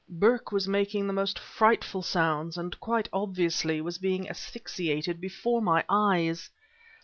Burke was making the most frightful sounds and quite obviously was being asphyxiated before my eyes!